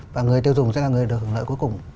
và người tiêu dùng sẽ là người được hưởng lợi cuối cùng